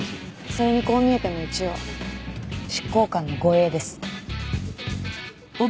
それにこう見えても一応執行官の護衛です。